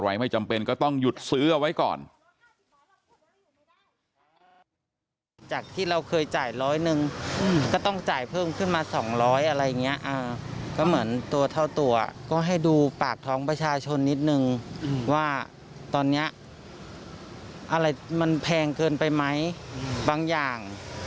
ไม่จำเป็นก็ต้องหยุดซื้อเอาไว้ก่อน